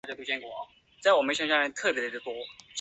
也因此陈靖姑的尊称或封号甚多。